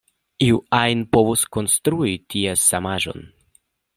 Iu ajn povus konstrui ties samaĵon.